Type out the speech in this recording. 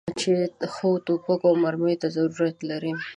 چې ښو توپکو او مرمیو ته ضرورت لري.